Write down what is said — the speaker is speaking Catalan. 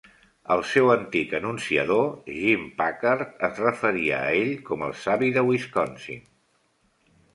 El seu antic anunciador, Jim Packard, es referia a ell com El savi de Wisconsin.